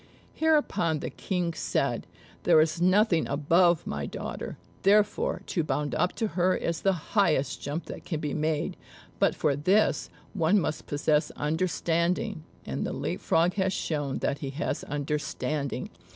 Hereupon the King said, "There is nothing above my daughter; therefore to bound up to her is the highest jump that can be made; but for this, one must possess understanding, and the Leap frog has shown that he has understanding.